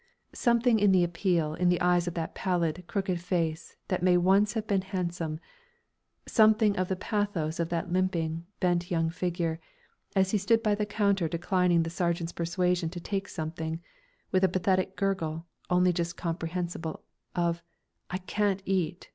Something in the appeal in the eyes of that pallid, crooked face that may once have been handsome, something of the pathos of that limping, bent young figure, as he stood by the counter declining the sergeant's persuasion to take something, with a pathetic gurgle, only just comprehensible, of, "I can't eat!